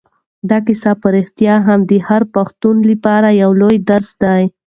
دا کیسه په رښتیا هم د هر پښتون لپاره یو لوی درس دی.